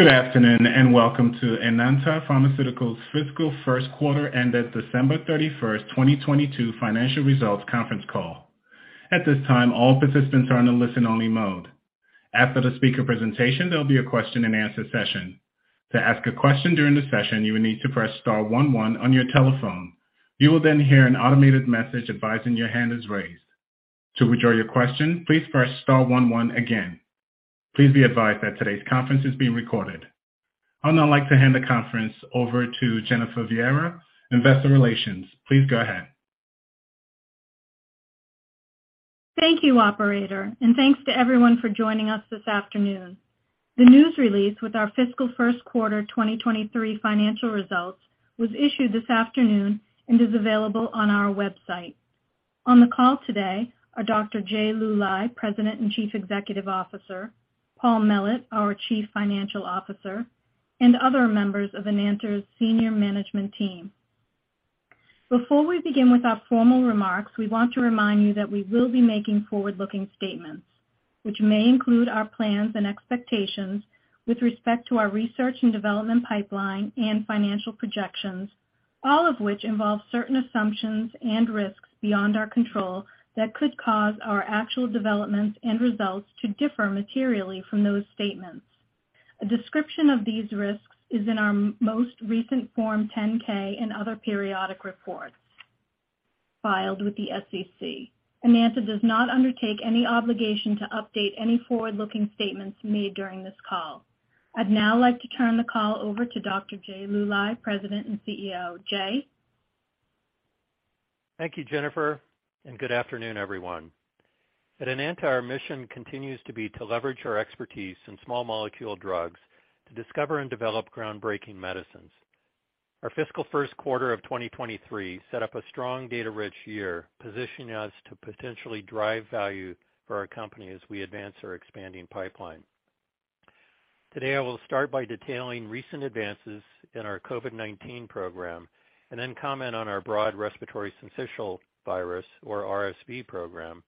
Good afternoon, and welcome to Enanta Pharmaceuticals Fiscal First Quarter ended December 31st, 2022 Financial Results Conference Call. At this time, all participants are in a listen-only mode. After the speaker presentation, there'll be a question-and-answer session. To ask a question during the session, you will need to press star one one on your telephone. You will then hear an automated message advising your hand is raised. To withdraw your question, please press star one one again. Please be advised that today's conference is being recorded. I'd now like to hand the conference over to Jennifer Viera, Investor Relations. Please go ahead. Thank you, Operator. Thanks to everyone for joining us this afternoon. The news release with our Fiscal First Quarter 2023 Financial Results was issued this afternoon and is available on our website. On the call today are Dr. Jay Luly, President and Chief Executive Officer, Paul Mellett, our Chief Financial Officer, and other members of Enanta's senior management team. Before we begin with our formal remarks, we want to remind you that we will be making forward-looking statements, which may include our plans and expectations with respect to our research and development pipeline and financial projections, all of which involve certain assumptions and risks beyond our control that could cause our actual developments and results to differ materially from those statements. A description of these risks is in our most recent Form 10-K and other periodic reports filed with the SEC. Enanta does not undertake any obligation to update any forward-looking statements made during this call. I'd now like to turn the call over to Dr. Jay Luly, President and CEO. Jay? Thank you, Jennifer. Good afternoon, everyone. At Enanta, our mission continues to be to leverage our expertise in small molecule drugs to discover and develop groundbreaking medicines. Our fiscal first quarter of 2023 set up a strong data-rich year, positioning us to potentially drive value for our company as we advance our expanding pipeline. Today, I will start by detailing recent advances in our COVID-19 program, then comment on our broad respiratory syncytial virus, or RSV program,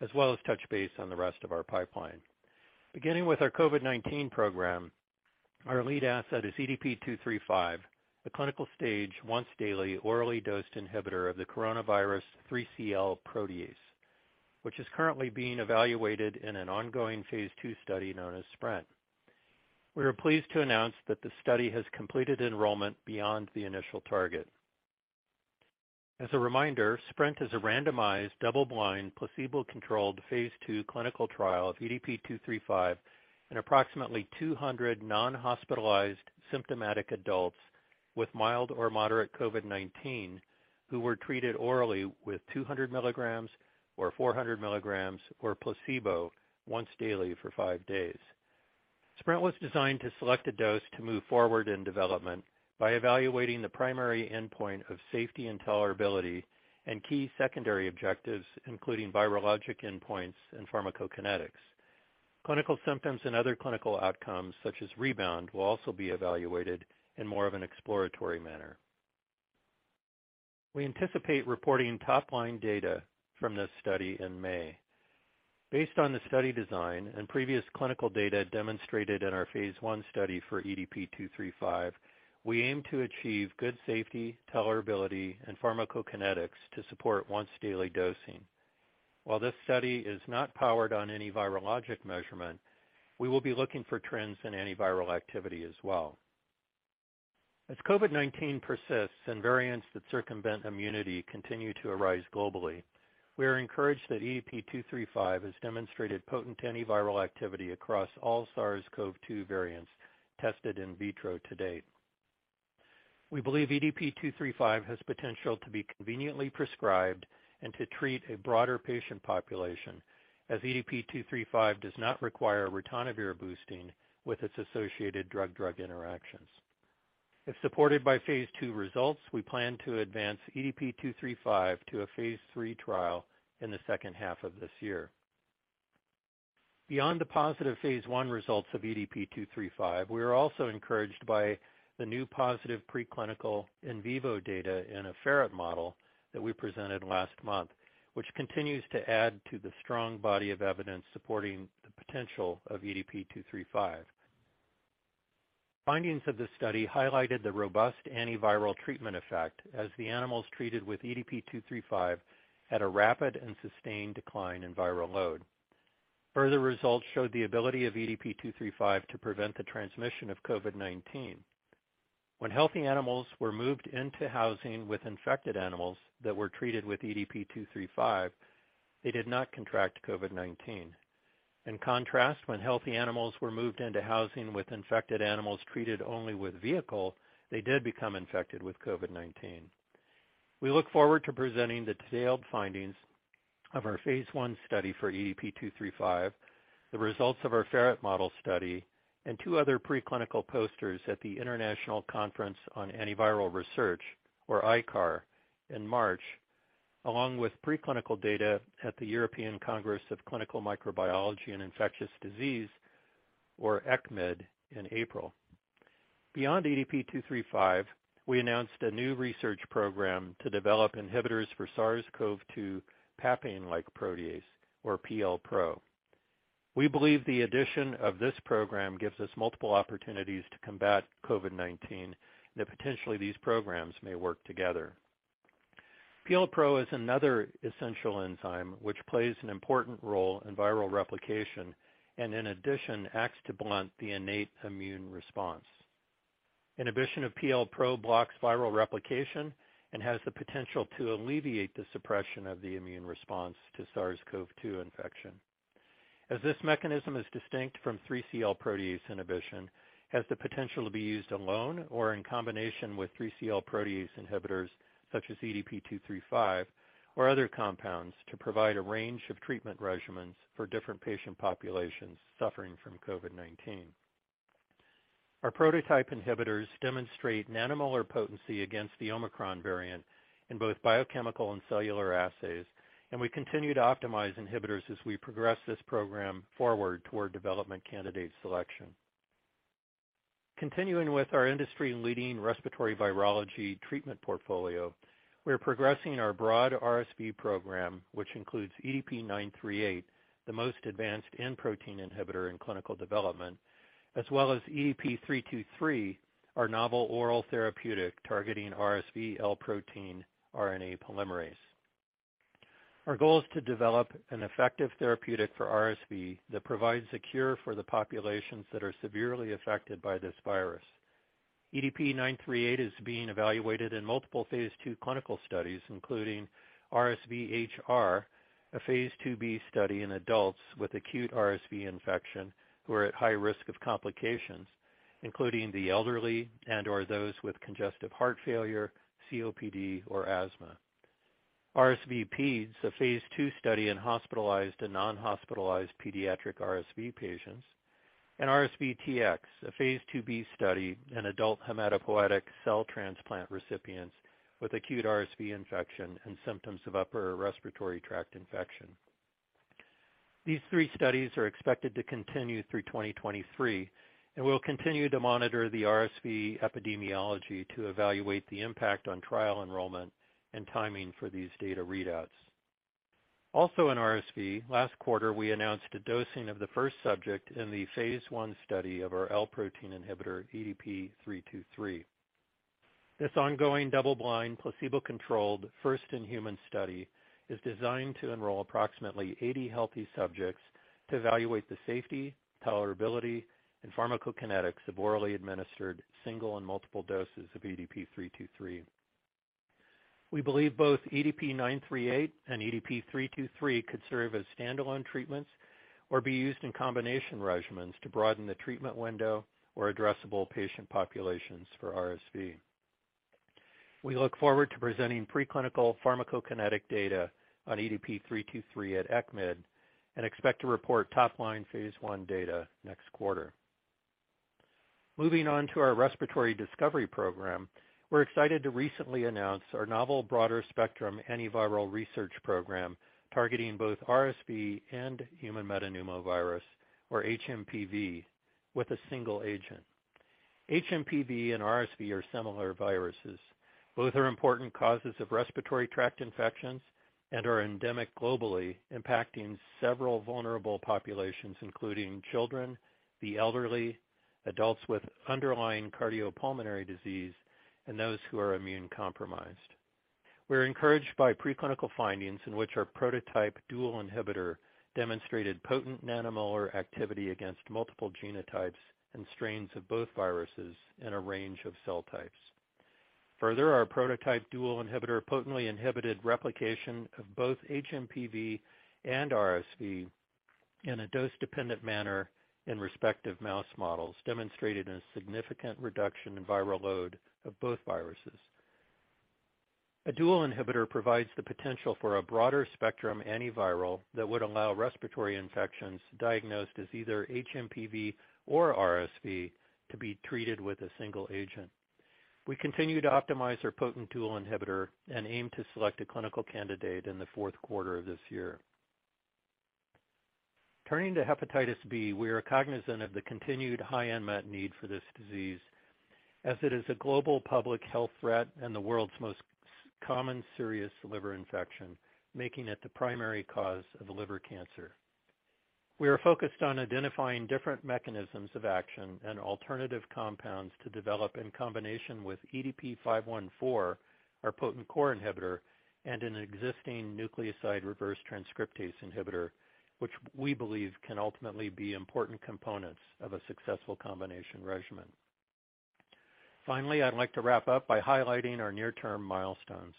as well as touch base on the rest of our pipeline. Beginning with our COVID-19 program, our lead asset is EDP-235, a clinical-stage once-daily orally dosed inhibitor of the coronavirus 3CL protease, which is currently being evaluated in an ongoing phase II study known as SPRINT. We are pleased to announce that the study has completed enrollment beyond the initial target. As a reminder, SPRINT is a randomized double-blind, placebo-controlled phase II clinical trial of EDP-235 in approximately 200 non-hospitalized symptomatic adults with mild or moderate COVID-19 who were treated orally with 200 mg or 400 mg or placebo once daily for five days. SPRINT was designed to select a dose to move forward in development by evaluating the primary endpoint of safety and tolerability and key secondary objectives, including virologic endpoints and pharmacokinetics. Clinical symptoms and other clinical outcomes such as rebound will also be evaluated in more of an exploratory manner. We anticipate reporting top line data from this study in May. Based on the study design and previous clinical data demonstrated in our phase I study for EDP-235, we aim to achieve good safety, tolerability, and pharmacokinetics to support once daily dosing. While this study is not powered on any virologic measurement, we will be looking for trends in antiviral activity as well. As COVID-19 persists and variants that circumvent immunity continue to arise globally, we are encouraged that EDP-235 has demonstrated potent antiviral activity across all SARS-CoV-2 variants tested in vitro to date. We believe EDP-235 has potential to be conveniently prescribed and to treat a broader patient population as EDP-235 does not require ritonavir boosting with its associated drug-drug interactions. If supported by phase II results, we plan to advance EDP-235 to a phase III trial in the second half of this year. Beyond the positive phase I results of EDP-235, we are also encouraged by the new positive preclinical in vivo data in a ferret model that we presented last month, which continues to add to the strong body of evidence supporting the potential of EDP-235. Findings of this study highlighted the robust antiviral treatment effect as the animals treated with EDP-235 had a rapid and sustained decline in viral load. Further results showed the ability of EDP-235 to prevent the transmission of COVID-19. When healthy animals were moved into housing with infected animals that were treated with EDP-235, they did not contract COVID-19. In contrast, when healthy animals were moved into housing with infected animals treated only with vehicle, they did become infected with COVID-19. We look forward to presenting the detailed findings of our phase I study for EDP-235, the results of our ferret model study, and two other preclinical posters at the International Conference on Antiviral Research, or ICAR, in March, along with preclinical data at the European Congress of Clinical Microbiology and Infectious Diseases, or ECCMID, in April. Beyond EDP-235, we announced a new research program to develop inhibitors for SARS-CoV-2 papain-like protease, or PLpro. We believe the addition of this program gives us multiple opportunities to combat COVID-19, that potentially these programs may work together. PLpro is another essential enzyme which plays an important role in viral replication, and in addition, acts to blunt the innate immune response. Inhibition of PLpro blocks viral replication and has the potential to alleviate the suppression of the immune response to SARS-CoV-2 infection. As this mechanism is distinct from 3CL protease inhibition, has the potential to be used alone or in combination with 3CL protease inhibitors such as EDP-235 or other compounds to provide a range of treatment regimens for different patient populations suffering from COVID-19. Our prototype inhibitors demonstrate nanomolar potency against the Omicron variant in both biochemical and cellular assays, and we continue to optimize inhibitors as we progress this program forward toward development candidate selection. Continuing with our industry-leading respiratory virology treatment portfolio, we're progressing our broad RSV program, which includes EDP-938, the most advanced N-protein inhibitor in clinical development, as well as EDP-323, our novel oral therapeutic targeting RSV L-Protein RNA polymerase. Our goal is to develop an effective therapeutic for RSV that provides a cure for the populations that are severely affected by this virus. EDP-938 is being evaluated in multiple phase II clinical studies, including RSV-HR, phase IIB study in adults with acute RSV infection who are at high risk of complications, including the elderly and/or those with congestive heart failure, COPD, or asthma. RSV-Peds, a phase II study in hospitalized and non-hospitalized pediatric RSV patients, and RSV-Tx, phase IIB study in adult hematopoietic cell transplant recipients with acute RSV infection and symptoms of upper respiratory tract infection. These three studies are expected to continue through 2023. We'll continue to monitor the RSV epidemiology to evaluate the impact on trial enrollment and timing for these data readouts. Also in RSV, last quarter we announced a dosing of the first subject in the phase I study of our L-Protein Inhibitor, EDP-323. This ongoing double-blind, placebo-controlled first-in-human study is designed to enroll approximately 80 healthy subjects to evaluate the safety, tolerability, and pharmacokinetics of orally administered single and multiple doses of EDP-323. We believe both EDP-938 and EDP-323 could serve as standalone treatments or be used in combination regimens to broaden the treatment window or addressable patient populations for RSV. We look forward to presenting preclinical pharmacokinetic data on EDP-323 at ECCMID and expect to report top-line phase I data next quarter. Moving on to our respiratory discovery program, we're excited to recently announce our novel broader spectrum antiviral research program targeting both RSV and human metapneumovirus, or hMPV, with a single agent. HMPV and RSV are similar viruses. Both are important causes of respiratory tract infections and are endemic globally, impacting several vulnerable populations, including children, the elderly, adults with underlying cardiopulmonary disease, and those who are immune-compromised. We're encouraged by preclinical findings in which our prototype dual inhibitor demonstrated potent nanomolar activity against multiple genotypes and strains of both viruses in a range of cell types. Further, our prototype dual inhibitor potently inhibited replication of both hMPV and RSV in a dose-dependent manner in respective mouse models, demonstrating a significant reduction in viral load of both viruses. A dual inhibitor provides the potential for a broader spectrum antiviral that would allow respiratory infections diagnosed as either hMPV or RSV to be treated with a single agent. We continue to optimize our potent dual inhibitor and aim to select a clinical candidate in the fourth quarter of this year. Turning to hepatitis B, we are cognizant of the continued high unmet need for this disease as it is a global public health threat and the world's most common serious liver infection, making it the primary cause of liver cancer. We are focused on identifying different mechanisms of action and alternative compounds to develop in combination with EDP-514, our potent core inhibitor, and an existing nucleoside reverse transcriptase inhibitor, which we believe can ultimately be important components of a successful combination regimen. Finally, I'd like to wrap up by highlighting our near-term milestones.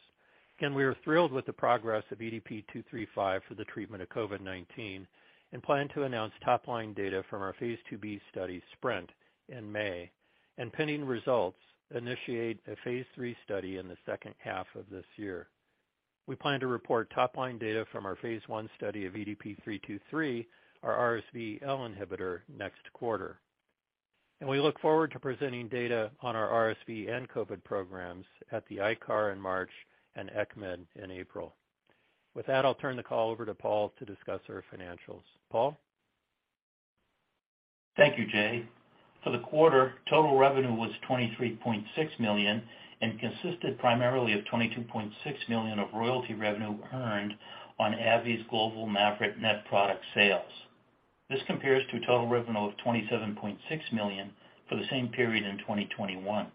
Again, we are thrilled with the progress of EDP-235 for the treatment of COVID-19 and plan to announce top-line data from phase IIB study SPRINT in May, and pending results, initiate a phase III study in the second half of this year. We plan to report top-line data from our phase I study of EDP-323, our RSV-L inhibitor, next quarter. We look forward to presenting data on our RSV and COVID programs at the ICAR in March and ECCMID in April. With that, I'll turn the call over to Paul to discuss our financials. Paul? Thank you, Jay. For the quarter, total revenue was $23.6 million and consisted primarily of $22.6 million of royalty revenue earned on AbbVie's global MAVYRET net product sales. This compares to total revenue of $27.6 million for the same period in 2021.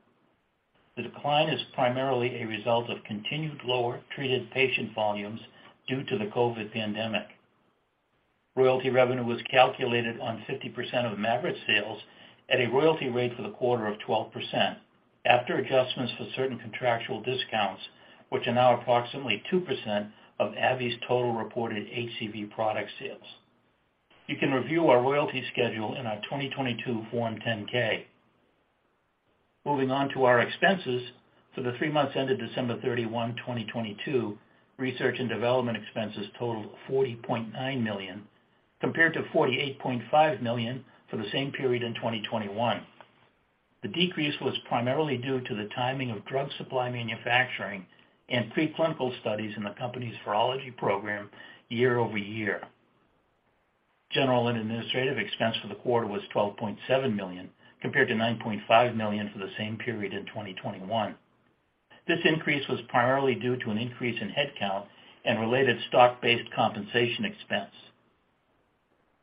The decline is primarily a result of continued lower treated patient volumes due to the COVID pandemic. Royalty revenue was calculated on 50% of MAVYRET sales at a royalty rate for the quarter of 12% after adjustments for certain contractual discounts, which are now approximately 2% of AbbVie's total reported HCV product sales. You can review our royalty schedule in our 2022 Form 10-K. Moving on to our expenses, for the three months ended December 31, 2022, research and development expenses totaled $40.9 million, compared to $48.5 million for the same period in 2021. The decrease was primarily due to the timing of drug supply manufacturing and preclinical studies in the company's virology program year-over-year. General and administrative expense for the quarter was $12.7 million, compared to $9.5 million for the same period in 2021. This increase was primarily due to an increase in headcount and related stock-based compensation expense.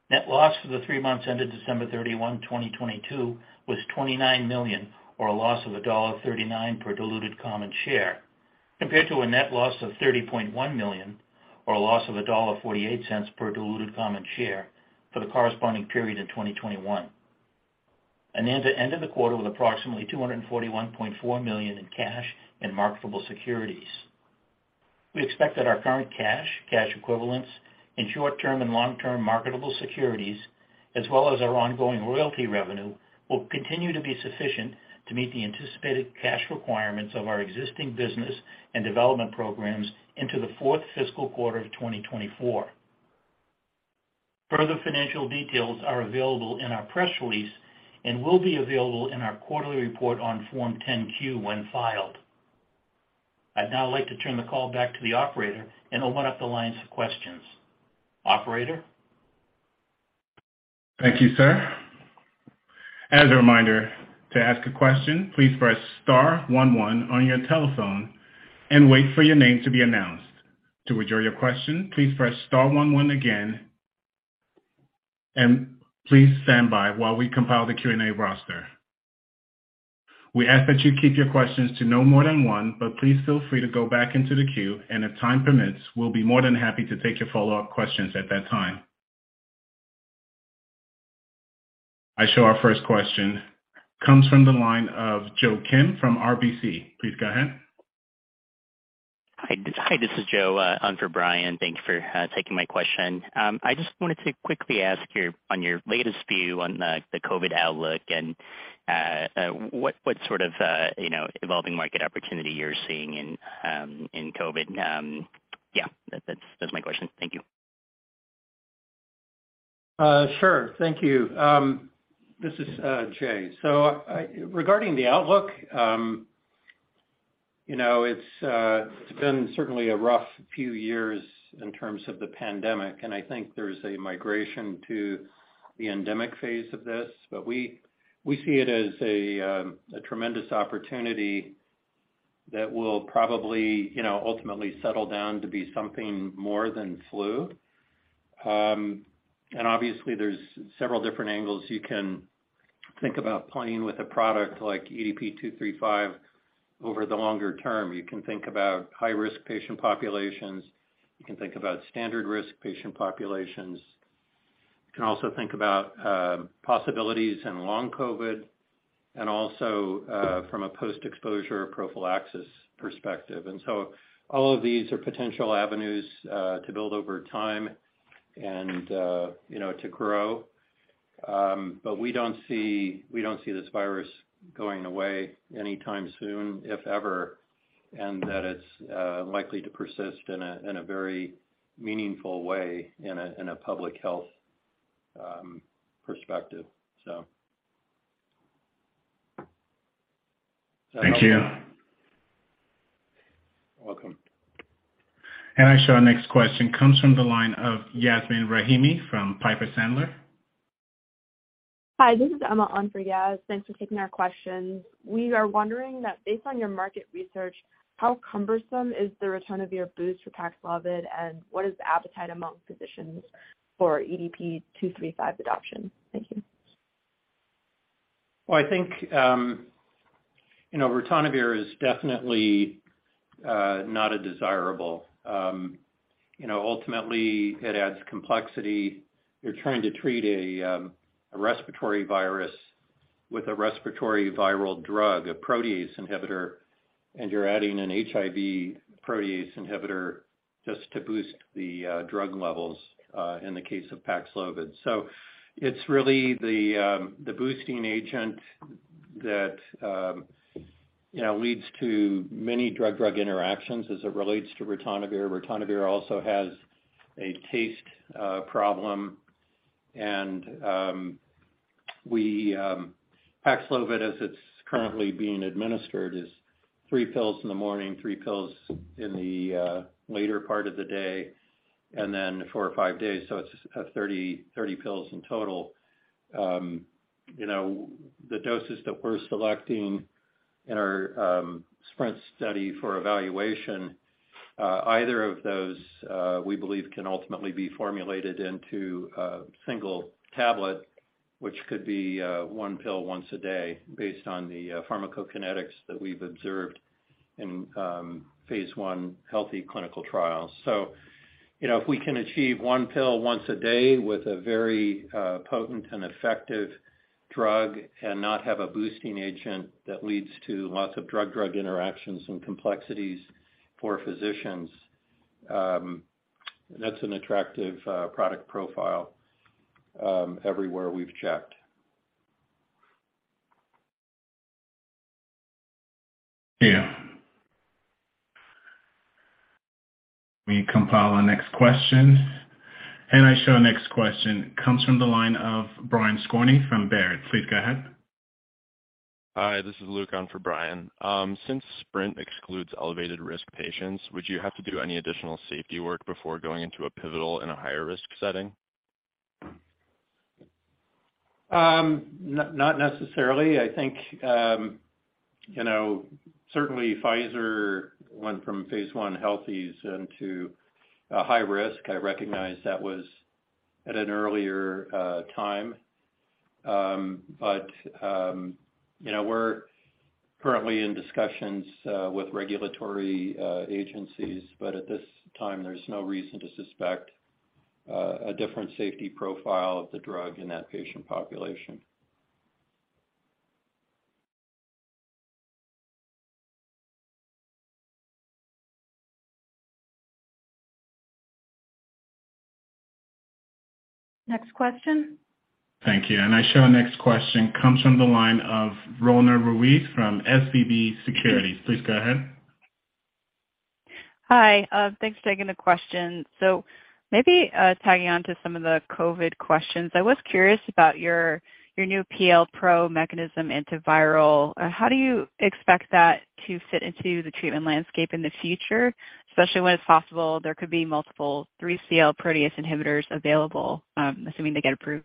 Net loss for the three months ended December 31, 2022 was $29 million or a loss of $1.39 per diluted common share, compared to a net loss of $30.1 million or a loss of $1.48 per diluted common share for the corresponding period in 2021. Enanta ended the quarter with approximately $241.4 million in cash and marketable securities. We expect that our current cash equivalents, and short-term and long-term marketable securities, as well as our ongoing royalty revenue, will continue to be sufficient to meet the anticipated cash requirements of our existing business and development programs into the fourth fiscal quarter of 2024. Further financial details are available in our press release and will be available in our quarterly report on Form 10-Q when filed. I'd now like to turn the call back to the operator and open up the lines for questions. Operator? Thank you, sir. As a reminder, to ask a question, please press star one one on your telephone and wait for your name to be announced. To withdraw your question, please press star one one again, and please stand by while we compile the Q&A roster. We ask that you keep your questions to no more than one, but please feel free to go back into the queue, and if time permits, we'll be more than happy to take your follow-up questions at that time. I show our first question comes from the line of Joe Kim from RBC Capital Markets. Please go ahead. Hi, this is Joe, on for Brian. Thank you for taking my question. I just wanted to quickly ask on your latest view on the COVID outlook and what sort of, you know, evolving market opportunity you're seeing in COVID. That's my question. Thank you. Sure. Thank you. This is Jay. Regarding the outlook, you know, it's been certainly a rough few years in terms of the pandemic, and I think there's a migration to the endemic phase of this. We see it as a tremendous opportunity that will probably, you know, ultimately settle down to be something more than flu. Obviously, there's several different angles you can think about playing with a product like EDP-235 over the longer term. You can think about high-risk patient populations. You can think about standard risk patient populations. You can also think about possibilities in long COVID and also from a post-exposure prophylaxis perspective. All of these are potential avenues to build over time and, you know, to grow. We don't see this virus going away anytime soon, if ever, and that it's likely to persist in a very meaningful way in a public health perspective. Thank you. You're welcome. I show our next question comes from the line of Yasmeen Rahimi from Piper Sandler. Hi, this is Emma on for Yas. Thanks for taking our questions. We are wondering that based on your market research, how cumbersome is the ritonavir boost for Paxlovid, and what is the appetite among physicians for EDP-235 adoption? Thank you. I think, you know, ritonavir is definitely not a desirable. You know, ultimately, it adds complexity. You're trying to treat a respiratory virus with a respiratory viral drug, a protease inhibitor, and you're adding an HIV protease inhibitor just to boost the drug levels in the case of Paxlovid. It's really the boosting agent that, you know, leads to many drug-drug interactions as it relates to ritonavir. Ritonavir also has a taste problem and Paxlovid as it's currently being administered is three pills in the morning, three pills in the later part of the day, and then four or five days. It's 30 pills in total. you know, the doses that we're selecting in our SPRINT study for evaluation, either of those, we believe can ultimately be formulated into a single tablet, which could be one pill once a day based on the pharmacokinetics that we've observed in phase one healthy clinical trials. you know, if we can achieve one pill once a day with a very potent and effective drug and not have a boosting agent that leads to lots of drug-drug interactions and complexities for physicians, that's an attractive product profile, everywhere we've checked. Yeah. Let me compile our next question. I show next question comes from the line of Brian Skorney from Baird. Please go ahead. Hi, this is Luke on for Brian. Since SPRINT excludes elevated risk patients, would you have to do any additional safety work before going into a pivotal in a higher risk setting? Not, not necessarily. I think, you know, certainly Pfizer went from phase I healthies into a high risk. I recognize that was at an earlier time. You know, we're currently in discussions with regulatory agencies, but at this time, there's no reason to suspect a different safety profile of the drug in that patient population. Next question. Thank you. I show next question comes from the line of Roanna Ruiz from SVB Securities. Please go ahead. Hi. Thanks for taking the question. Maybe tagging on to some of the COVID questions. I was curious about your new PLpro mechanism antiviral. How do you expect that to fit into the treatment landscape in the future, especially when it's possible there could be multiple 3CL protease inhibitors available, assuming they get approved?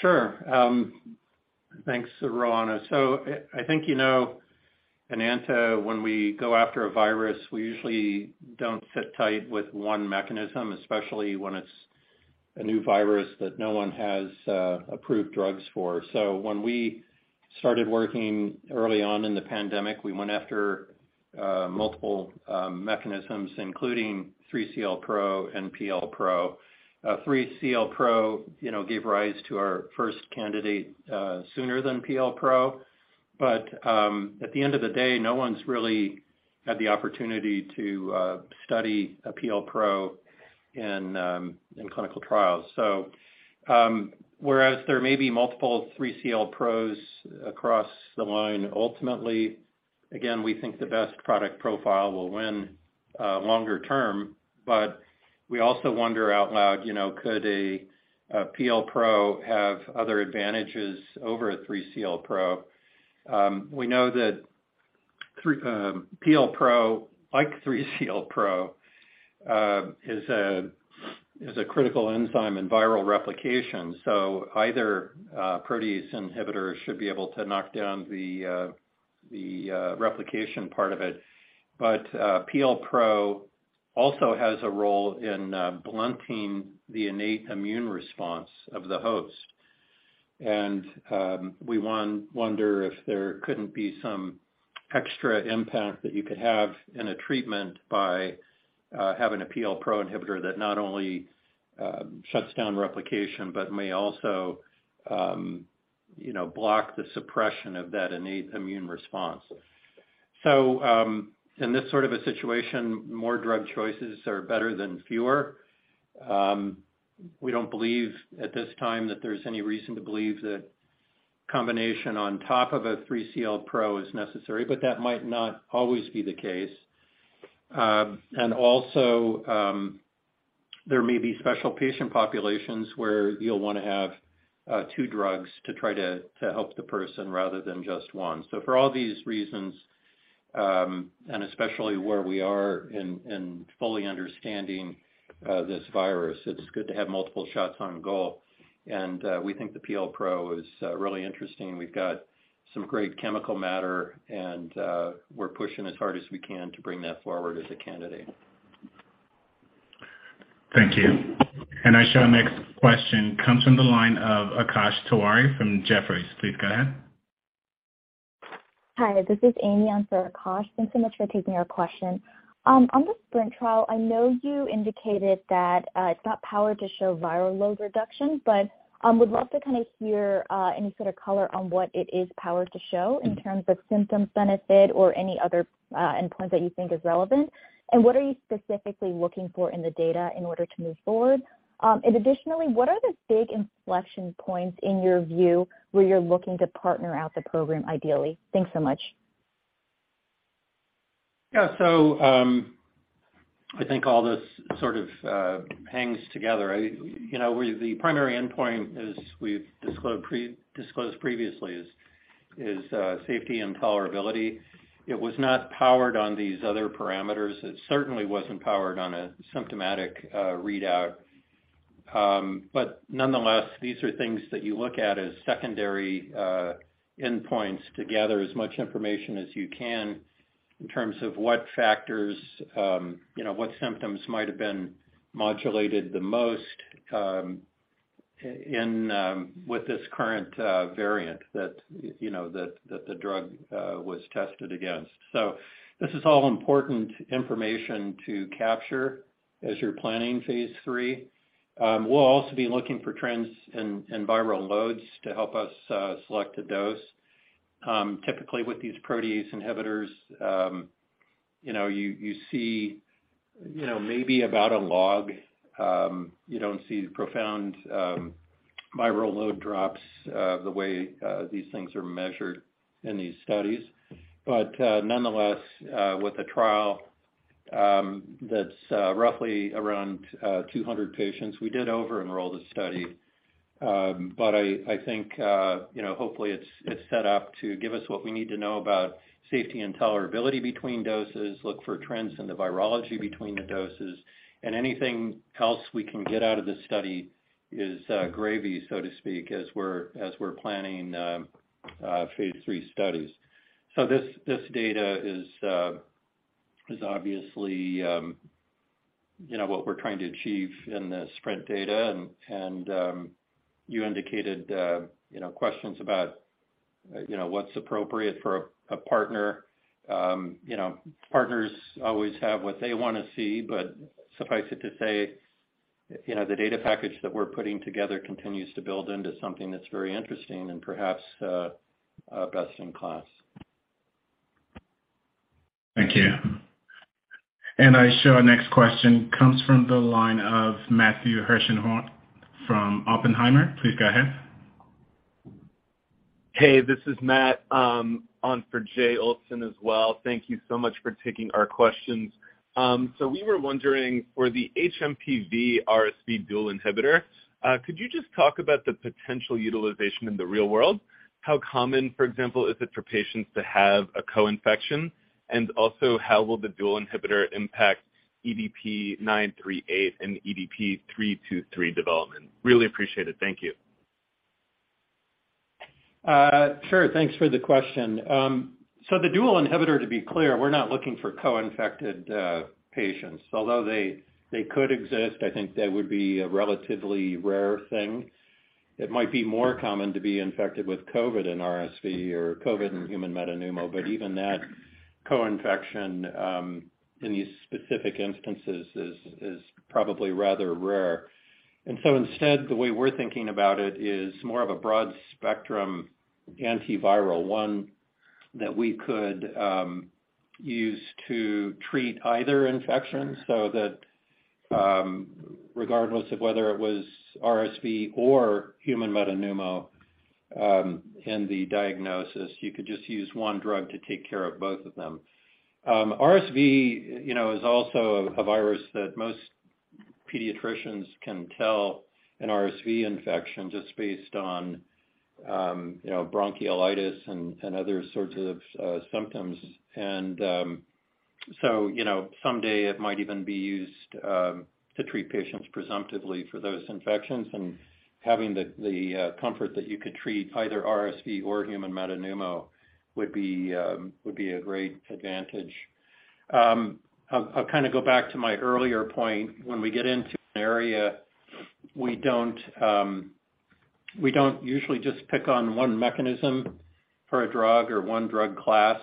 Sure. Thanks, Roanna. I think, you know, Enanta, when we go after a virus, we usually don't sit tight with one mechanism, especially when it's a new virus that no one has approved drugs for. When we started working early on in the pandemic, we went after multiple mechanisms, including 3CLpro and PLpro. 3CLpro, you know, gave rise to our first candidate sooner than PLpro. At the end of the day, no one's really had the opportunity to study a PLpro in clinical trials. Whereas there may be multiple 3CLpros across the line, ultimately, again, we think the best product profile will win longer term. We also wonder out loud, you know, could a PLpro have other advantages over a 3CLpro. We know that 3 PLpro, like 3CLpro, is a critical enzyme in viral replication. Either protease inhibitor should be able to knock down the replication part of it. PLpro also has a role in blunting the innate immune response of the host. We wonder if there couldn't be some extra impact that you could have in a treatment by having a PLpro inhibitor that not only shuts down replication, but may also, you know, block the suppression of that innate immune response. In this sort of a situation, more drug choices are better than fewer. We don't believe at this time that there's any reason to believe that combination on top of a 3CLpro is necessary, but that might not always be the case. There may be special patient populations where you'll wanna have two drugs to try to help the person rather than just one. For all these reasons, and especially where we are in fully understanding this virus, it's good to have multiple shots on goal. We think the PLpro is really interesting. We've got some great chemical matter, we're pushing as hard as we can to bring that forward as a candidate. Thank you. I show next question comes from the line of Akash Tewari from Jefferies. Please go ahead. Hi, this is Amy on for Akash. Thanks so much for taking our question. On the SPRINT trial, I know you indicated that, it's not powered to show viral load reduction, but, would love to kind of hear any sort of color on what it is powered to show in terms of symptoms benefit or any other endpoint that you think is relevant. What are you specifically looking for in the data in order to move forward? Additionally, what are the big inflection points in your view where you're looking to partner out the program ideally? Thanks so much. I think all this sort of hangs together. I, you know, the primary endpoint, as we've disclosed previously, is safety and tolerability. It was not powered on these other parameters. It certainly wasn't powered on a symptomatic readout. Nonetheless, these are things that you look at as secondary endpoints to gather as much information as you can in terms of what factors, you know, what symptoms might have been modulated the most, in with this current variant that, you know, the drug was tested against. This is all important information to capture as you're planning phase III. We'll also be looking for trends in viral loads to help us select a dose. Typically with these protease inhibitors, you know, you see, you know, maybe about a log. You don't see profound viral load drops the way these things are measured in these studies. Nonetheless, with a trial that's roughly around 200 patients, we did over-enroll the study. But I think, you know, hopefully it's set up to give us what we need to know about safety and tolerability between doses, look for trends in the virology between the doses, and anything else we can get out of this study is gravy, so to speak, as we're, as we're planning phase III studies. This, this data is obviously, you know, what we're trying to achieve in the SPRINT data. You indicated, you know, questions about, you know, what's appropriate for a partner. You know, partners always have what they wanna see, but suffice it to say, you know, the data package that we're putting together continues to build into something that's very interesting and perhaps, best in class. Thank you. I show our next question comes from the line of Matthew Hershenhorn from Oppenheimer. Please go ahead. Hey, this is Matt, on for Jay Olson as well. Thank you so much for taking our questions. We were wondering, for the hMPV RSV dual inhibitor, could you just talk about the potential utilization in the real world? How common, for example, is it for patients to have a co-infection? Also, how will the dual inhibitor impact EDP-938 and EDP-323 development? Really appreciate it. Thank you. Sure. Thanks for the question. So the dual inhibitor, to be clear, we're not looking for co-infected patients. Although they could exist, I think that would be a relatively rare thing. It might be more common to be infected with COVID and RSV or COVID and human metapneumovirus, but even that co-infection in these specific instances is probably rather rare. Instead, the way we're thinking about it is more of a broad spectrum antiviral, one that we could use to treat either infection so that regardless of whether it was RSV or human metapneumovirus, in the diagnosis, you could just use one drug to take care of both of them. RSV, you know, is also a virus that most pediatricians can tell an RSV infection just based on, you know, bronchiolitis and other sorts of symptoms. You know, someday it might even be used to treat patients presumptively for those infections. Having the comfort that you could treat either RSV or human metapneumovirus would be a great advantage. I'll kinda go back to my earlier point. When we get into an area, we don't usually just pick on one mechanism for a drug or one drug class.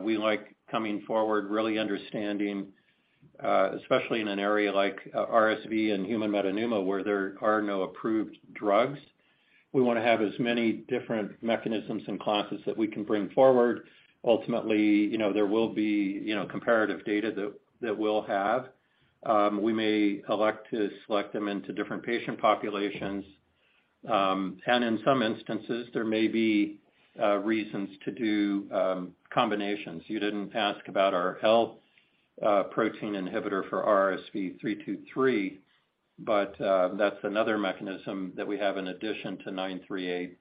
We like coming forward really understanding, especially in an area like RSV and human metapneumovirus, where there are no approved drugs. We wanna have as many different mechanisms and classes that we can bring forward. Ultimately, you know, there will be, you know, comparative data that we'll have. We may elect to select them into different patient populations. In some instances, there may be reasons to do combinations. You didn't ask about our L-Protein Inhibitor for RSV-323, but that's another mechanism that we have in addition to EDP-938.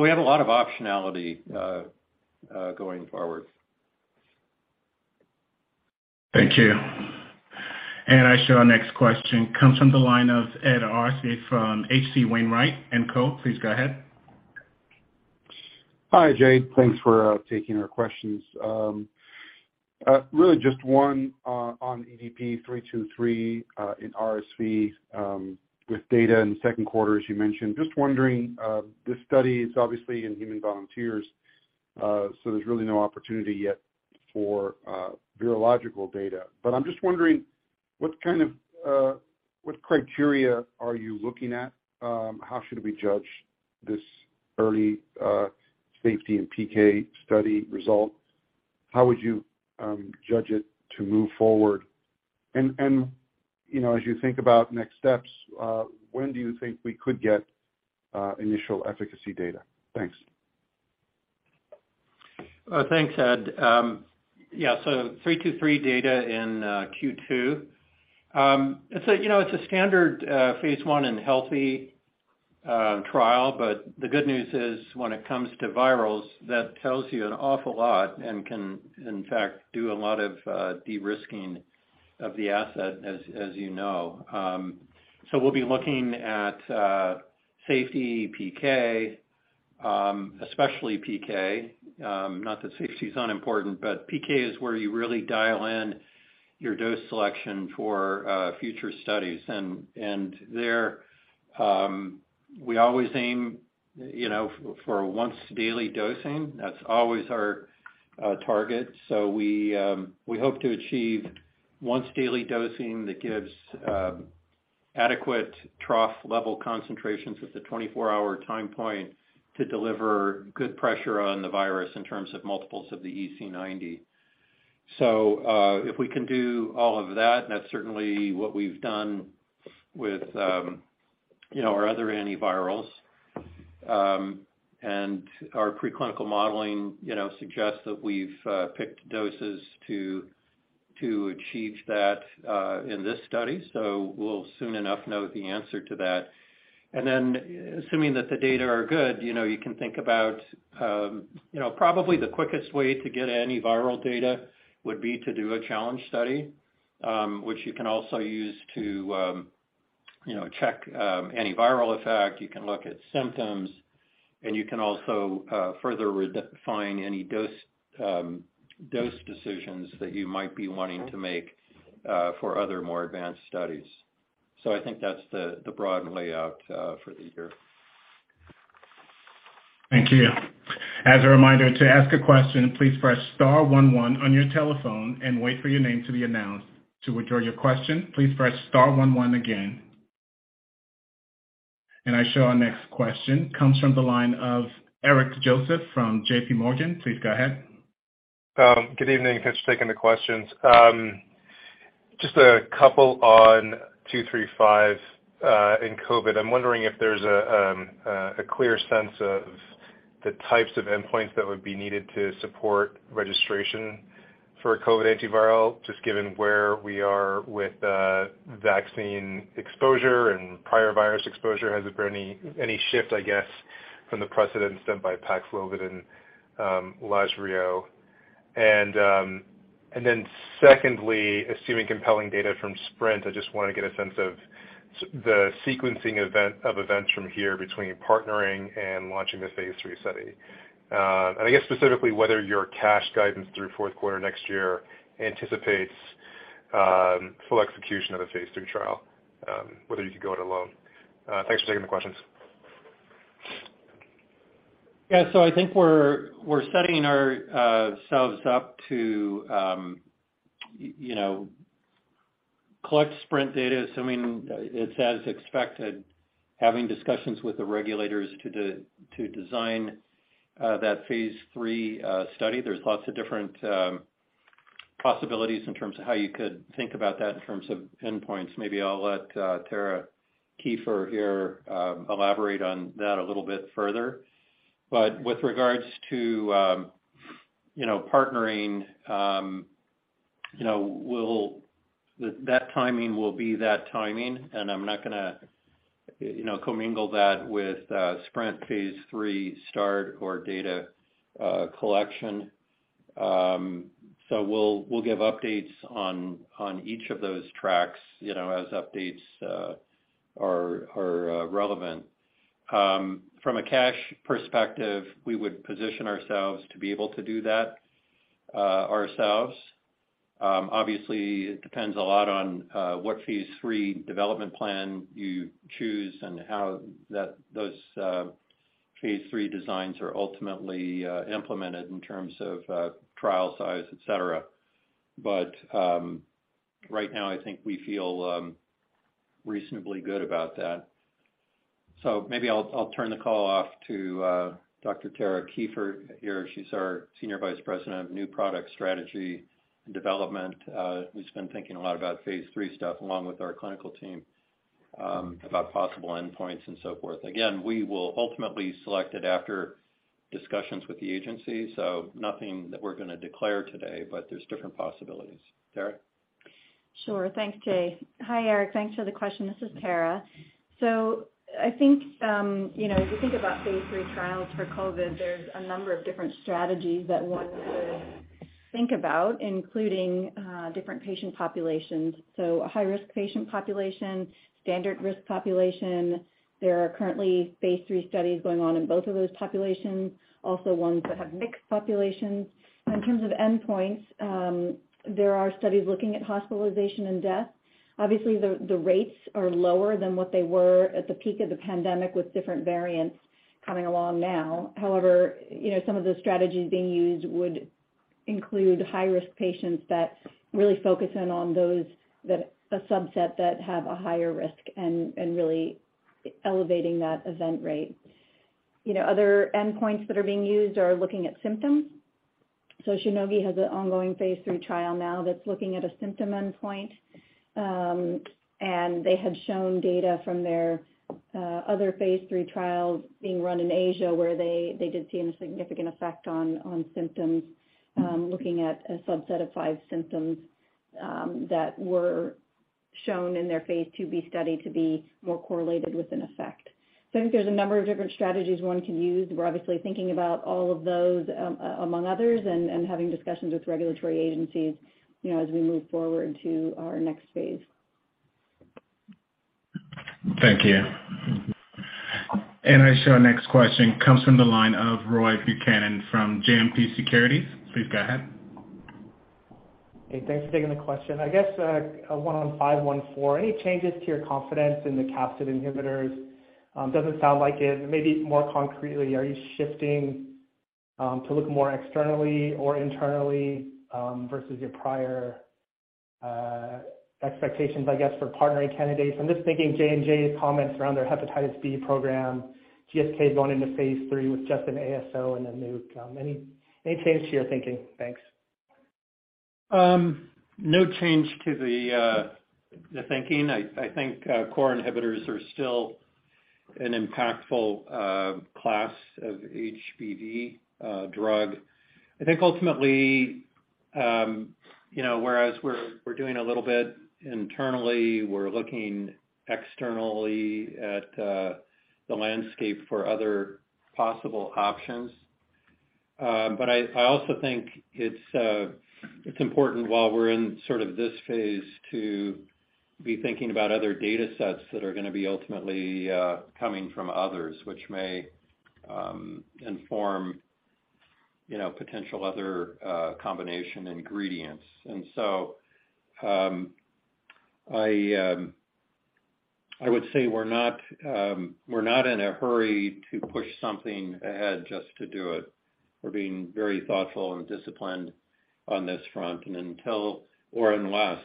We have a lot of optionality going forward. Thank you. I show our next question comes from the line of Ed Arce from H.C. Wainwright & Co. Please go ahead. Hi, Jay. Thanks for taking our questions. Really just one on EDP-323, in RSV, with data in second quarter, as you mentioned. Just wondering, this study is obviously in human volunteers, so there's really no opportunity yet for virological data. I'm just wondering what kind of, what criteria are you looking at? How should we judge this early, safety and PK study result? How would you judge it to move forward? You know, as you think about next steps, when do you think we could get, initial efficacy data? Thanks. Thanks, Ed. So EDP-323 data in Q2. It's, you know, it's a standard phase I in healthy trial, but the good news is when it comes to virals, that tells you an awful lot and can, in fact, do a lot of de-risking of the asset, as you know. So we'll be looking at safety PK, especially PK. Not that safety is unimportant, but PK is where you really dial in your dose selection for future studies. There, we always aim, you know, for once daily dosing. That's always our target. We hope to achieve once daily dosing that gives adequate trough level concentrations at the 24-hour time point to deliver good pressure on the virus in terms of multiples of the EC90. If we can do all of that, and that's certainly what we've done with, you know, our other antivirals. Our preclinical modeling, you know, suggests that we've picked doses to achieve that in this study. We'll soon enough know the answer to that. Assuming that the data are good, you know, you can think about, you know, probably the quickest way to get antiviral data would be to do a challenge study, which you can also use to, you know, check antiviral effect. You can look at symptoms, and you can also further refine any dose decisions that you might be wanting to make for other more advanced studies. I think that's the broad layout for the year. Thank you. As a reminder to ask a question, please press star one one on your telephone and wait for your name to be announced. To withdraw your question, please press star one one again. I show our next question comes from the line of Eric Joseph from JPMorgan. Please go ahead. Good evening. Thanks for taking the questions. Just a couple on EDP-235 in COVID-19. I'm wondering if there's a clear sense of the types of endpoints that would be needed to support registration for a COVID-19 antiviral, just given where we are with vaccine exposure and prior virus exposure. Has there been any shift, I guess, from the precedent set by Paxlovid and Lagevrio? Then secondly, assuming compelling data from SPRINT, I just wanna get a sense of the sequencing of events from here between partnering and launching the phase III study. I guess specifically whether your cash guidance through fourth quarter next year anticipates full execution of a phase III trial, whether you could go it alone. Thanks for taking the questions. I think we're setting ourselves up to, you know, collect SPRINT data, assuming it's as expected, having discussions with the regulators to design that phase III study. There's lots of different possibilities in terms of how you could think about that in terms of endpoints. Maybe I'll let Tara Kieffer here elaborate on that a little bit further. But with regards to, you know, partnering, you know, That timing will be that timing, and I'm not gonna, you know, commingle that with SPRINT phase III start or data collection. We'll give updates on each of those tracks, you know, as updates are relevant. From a cash perspective, we would position ourselves to be able to do that ourselves. Obviously, it depends a lot on what phase III development plan you choose and how that, those, phase III designs are ultimately implemented in terms of trial size, et cetera. Right now, I think we feel reasonably good about that. Maybe I'll turn the call off to Dr. Tara Kieffer here. She's our Senior Vice President of New Product Strategy and Development, who's been thinking a lot about phase III stuff along with our clinical team, about possible endpoints and so forth. Again, we will ultimately select it after discussions with the agency. Nothing that we're gonna declare today, but there's different possibilities. Tara? Sure. Thanks, Jay. Hi, Eric. Thanks for the question. This is Tara. I think, you know, if you think about phase III trials for COVID, there's a number of different strategies that one could think about, including different patient populations. A high-risk patient population, standard risk population. There are currently phase III studies going on in both of those populations, also ones that have mixed populations. In terms of endpoints, there are studies looking at hospitalization and death. Obviously, the rates are lower than what they were at the peak of the pandemic with different variants coming along now. You know, some of the strategies being used would include high-risk patients that really focus in on those that have a higher risk and really elevating that event rate. You know, other endpoints that are being used are looking at symptoms. Shionogi has an ongoing phase III trial now that's looking at a symptom endpoint. They have shown data from their other phase III trials being run in Asia, where they did see a significant effect on symptoms, looking at a subset of five symptoms that were shown in phase IIB study to be more correlated with an effect. I think there's a number of different strategies one can use. We're obviously thinking about all of those among others and having discussions with regulatory agencies, you know, as we move forward to our next phase. Thank you. I show our next question comes from the line of Roy Buchanan from JMP Securities. Please go ahead. Hey, thanks for taking the question. I guess, one on EDP-514. Doesn't sound like it. Maybe more concretely, are you shifting to look more externally or internally versus your prior expectations, I guess, for partnering candidates? I'm just thinking J&J's comments around their hepatitis B program, GSK going into phase III with just an ASO and a nuke. Any change to your thinking? Thanks. No change to the thinking. I think core inhibitors are still an impactful class of HBV drug. I think ultimately, you know, whereas we're doing a little bit internally, we're looking externally at the landscape for other possible options. But I also think it's important while we're in sort of this phase to be thinking about other data sets that are gonna be ultimately coming from others, which may inform, you know, potential other combination ingredients. I would say we're not in a hurry to push something ahead just to do it. We're being very thoughtful and disciplined on this front. Until or unless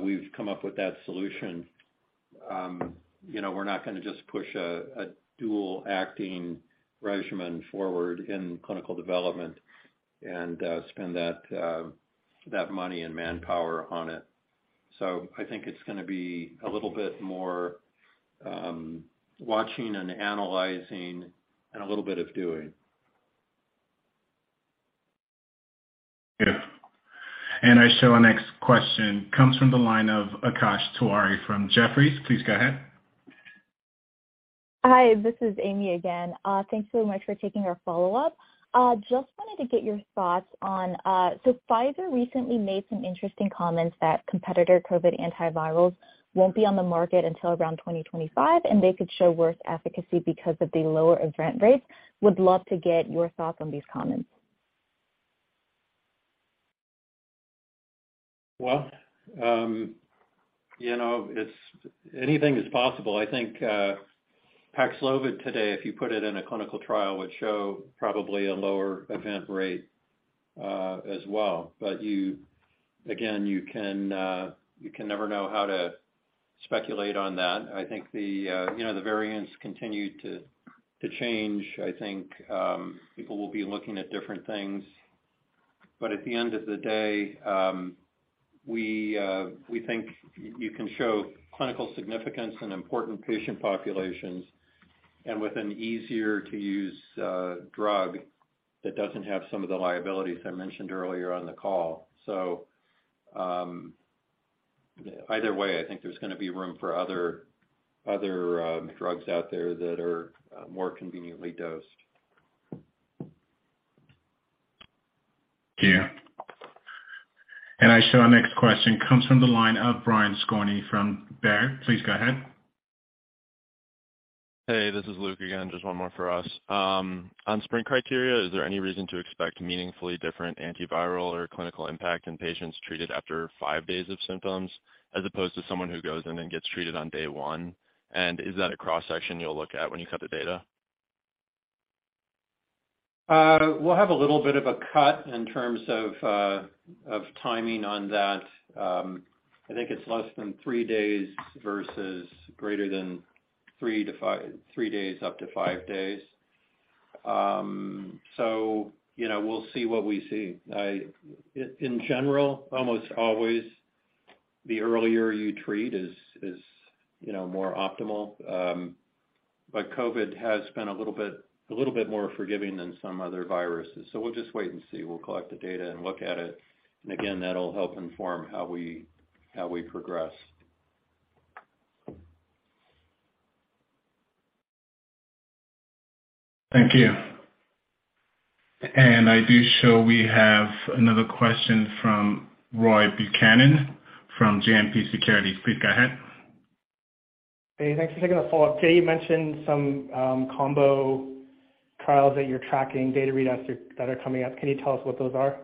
we've come up with that solution, you know, we're not gonna just push a dual acting regimen forward in clinical development and spend that money and manpower on it. I think it's gonna be a little bit more watching and analyzing and a little bit of doing. Yeah. I show our next question comes from the line of Akash Tewari from Jefferies. Please go ahead. Hi, this is Amy again. Thanks so much for taking our follow-up. Just wanted to get your thoughts on, Pfizer recently made some interesting comments that competitor COVID antivirals won't be on the market until around 2025, and they could show worse efficacy because of the lower event rates. Would love to get your thoughts on these comments. You know, Anything is possible. I think Paxlovid today, if you put it in a clinical trial, would show probably a lower event rate as well. You again, you can never know how to speculate on that. I think the, you know, the variants continue to change. I think people will be looking at different things. At the end of the day, we think you can show clinical significance in important patient populations and with an easier-to-use drug that doesn't have some of the liabilities I mentioned earlier on the call. Either way, I think there's gonna be room for other drugs out there that are more conveniently dosed. Yeah. I show our next question comes from the line of Brian Skorney from Baird. Please go ahead. Hey, this is Luke again. Just one more for us. On SPRINT criteria, is there any reason to expect meaningfully different antiviral or clinical impact in patients treated after five days of symptoms as opposed to someone who goes in and gets treated on day one? Is that a cross-section you'll look at when you cut the data? We'll have a little bit of a cut in terms of timing on that. I think it's less than three days versus greater than three days up to five days. You know, we'll see what we see. In general, almost always the earlier you treat is, you know, more optimal. COVID has been a little bit more forgiving than some other viruses. We'll just wait and see. We'll collect the data and look at it. Again, that'll help inform how we, how we progress. Thank you. I do show we have another question from Roy Buchanan from JMP Securities. Please go ahead. Hey, thanks for taking the follow-up. Jay, you mentioned some, combo trials that you're tracking, data readouts that are coming up. Can you tell us what those are?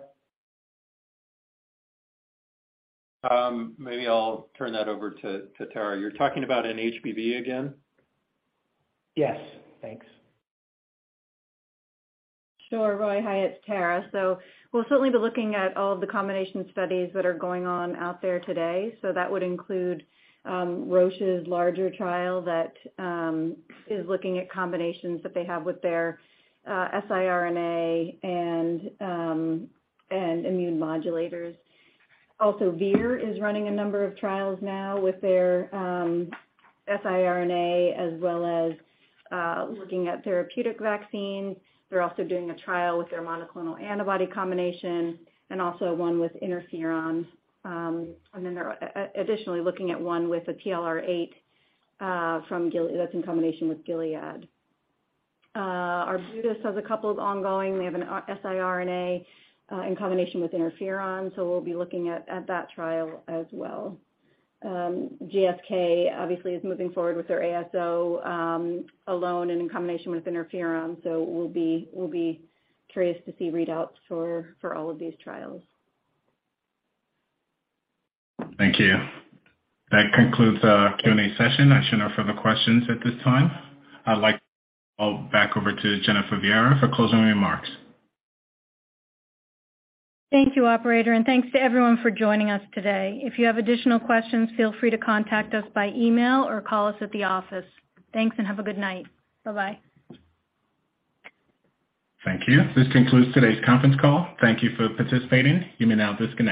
Maybe I'll turn that over to Tara. You're talking about in HBV again? Yes. Thanks. Sure, Roy. Hi, it's Tara. We'll certainly be looking at all the combination studies that are going on out there today. That would include Roche's larger trial that is looking at combinations that they have with their siRNA and immune modulators. Vir Biotechnology is running a number of trials now with their siRNA as well as looking at therapeutic vaccines. They're also doing a trial with their monoclonal antibody combination and also one with interferon. And then they're additionally looking at one with a TLR8, that's in combination with Gilead. Arbutus Biopharma has a couple of ongoing. They have an siRNA in combination with interferon, so we'll be looking at that trial as well. GSK obviously is moving forward with their ASO alone and in combination with interferon. We'll be curious to see readouts for all of these trials. Thank you. That concludes our Q&A session. I show no further questions at this time. I'd like to call back over to Jennifer Viera for closing remarks. Thank you, Operator, and thanks to everyone for joining us today. If you have additional questions, feel free to contact us by email or call us at the office. Thanks, and have a good night. Bye-bye. Thank you. This concludes today's conference call. Thank you for participating. You may now disconnect.